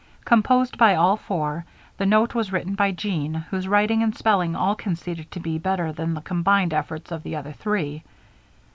Composed by all four, the note was written by Jean, whose writing and spelling all conceded to be better than the combined efforts of the other three.